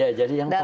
ya jadi yang paling